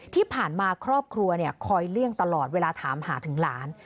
ที่ผ่านมาครอบครัวคอยเลี่ยงตลอดเวลาถามหาถึงหลาน